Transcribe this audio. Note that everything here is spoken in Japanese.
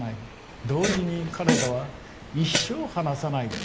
同時に彼らは一生話さない。